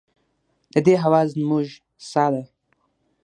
د دې هوا زموږ ساه ده؟